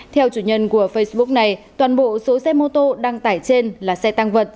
theo chủ nhân của facebook này toàn bộ số xe mô tô đăng tải trên là xe tăng vật